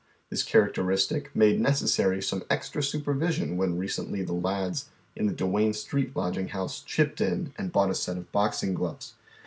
This characteristic made necessary some extra supervision when recently the lads in the Duane Street Lodging House "chipped in " and bought a set of boxing gloves.